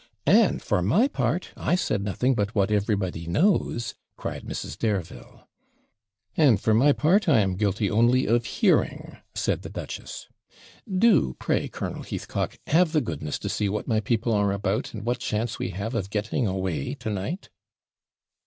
'And for my part, I said nothing but what everybody knows!' cried Mrs. Dareville. 'And for my part, I am guilty only of hearing,' said the duchess. 'Do, pray, Colonel Heathcock, have the goodness to see what my people are about, and what chance we have of getting away to night.'